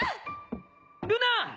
ルナ！